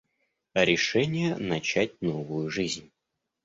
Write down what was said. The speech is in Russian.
Решение начать новую жизнь.